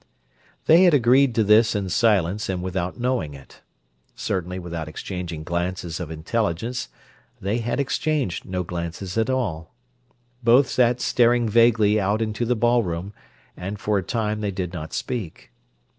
They had agreed to this in silence and without knowing it; certainly without exchanging glances of intelligence—they had exchanged no glances at all. Both sat staring vaguely out into the ballroom, and, for a time, they did not speak.